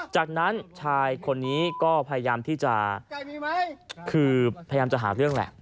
จากนั้นชายคนนี้ก็พยายามที่จะคือพยายามจะหาเรื่องแหละ